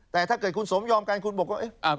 แต่ถ้าเกิดคุณสมยอมกันคุณบอกว่า